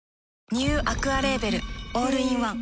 ニューアクアレーベルオールインワン